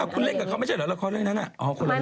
คุณเล่นกับเขาไม่ใช่เหรอละครเรื่องนั้น